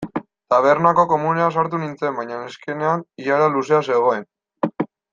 Tabernako komunera sartu nintzen baina neskenean ilara luzea zegoen.